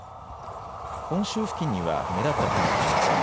本州付近には目立った雲はありません。